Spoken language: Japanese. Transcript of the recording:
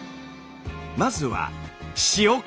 まずは塩辛！